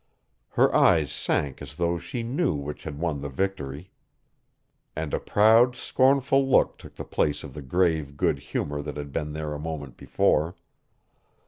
Her eyes sank as though she knew which had won the victory, and a proud, scornful look took the place of the grave good humor that had been there a moment before.